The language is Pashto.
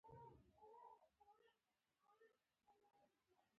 بادرنګ څنګه ساتل کیږي؟